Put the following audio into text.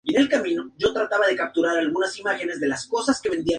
En realidad en los toques finales del proceso de edición en estos momentos.